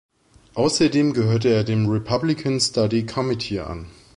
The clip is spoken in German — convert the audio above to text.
Außerdem gehört er dem "Republican Study Committee" an.